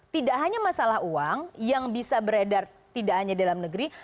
tidak hanya masalah uang yang bisa beredar tidak hanya dalam negeri